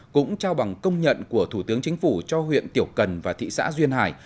cũng trao bằng công nhận của thủ tướng chính phủ cho huyện tiểu cần và thị xã duyên hải